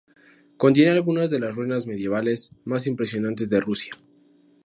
Contiene algunas de las ruinas medievales más impresionantes de Rusia.